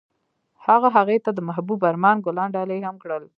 هغه هغې ته د محبوب آرمان ګلان ډالۍ هم کړل.